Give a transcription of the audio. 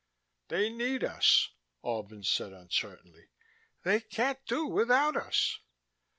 "They need us," Albin said uncertainly. "They can't do without us."